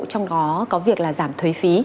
trong đó có việc là giảm thuế phí